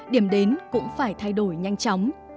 điểm đến cũng phải thay đổi nhanh chóng